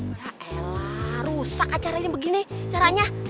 ya elah rusak acara ini begini caranya